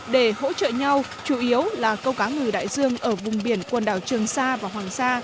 để hỗ trợ nhau chủ yếu là câu cá ngừ đại dương ở vùng biển quần đảo trường sa và hoàng sa